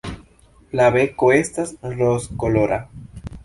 La beko estas rozkolora.